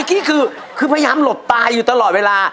กี้คือพยายามหลบตายอยู่ตลอดเวลา